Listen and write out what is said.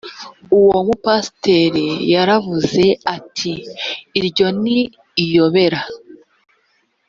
uwo mupasiteri yaravuze ati iryo ni iyobera